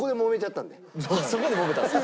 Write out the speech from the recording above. そこでもめたんですか？